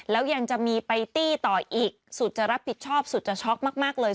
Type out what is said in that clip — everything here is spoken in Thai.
แล้วยังจะมีไปตี้ต่ออีกสุดจะรับผิดชอบสุดจะช็อกมากเลย